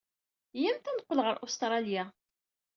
Iyyamt ad neqqel ɣer Ustṛalya.